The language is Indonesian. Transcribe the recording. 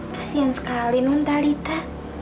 kasian sekali nontalitha